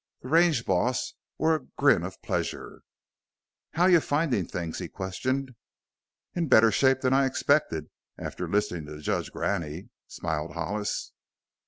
The range boss wore a grin of pleasure. "How you findin' things?" he questioned. "In better shape than I expected after listening to Judge Graney," smiled Hollis.